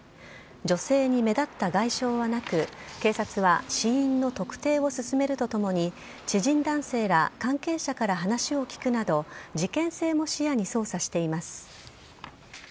女性に目立った外傷はなく警察は死因の特定を進めるとともに知人男性ら関係者から話を聞くなど事件性も視野に捜査しています。